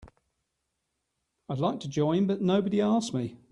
I'd like to join but nobody asked me.